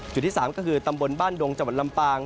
ที่๓ก็คือตำบลบ้านดงจังหวัดลำปาง